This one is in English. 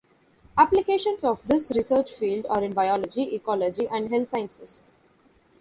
Applications of this research field are in biology, ecology and health sciences.